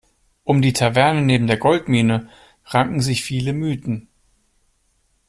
Um die Taverne neben der Goldmine ranken sich viele Mythen.